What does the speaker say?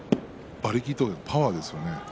馬力、パワーですね。